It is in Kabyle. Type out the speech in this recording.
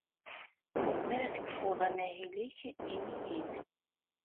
Mi ara tekfuḍ amahil-ik, ini-iyi-d.